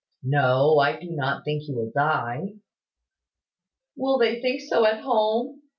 "No; I do not think you will die." "Will they think so at home?